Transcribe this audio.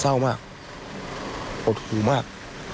เศร้ามากหดหูมาก